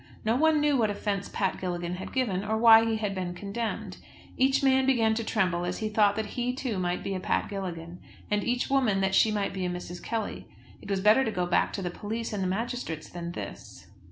No one knew what offence Pat Gilligan had given, or why he had been condemned. Each man began to tremble as he thought that he too might be a Pat Gilligan, and each woman that she might be a Mrs. Kelly. It was better to go back to the police and the magistrates than this!